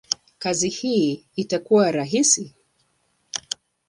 kazi hii itakuwa rahisi?